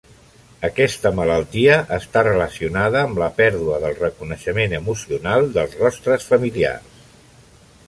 Aquesta malaltia està relacionada amb la pèrdua del reconeixement emocional dels rostres familiars.